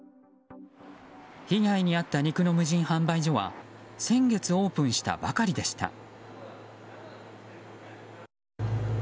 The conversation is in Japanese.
被害に遭った肉の無人販売所は先月オープンしたばかりでした。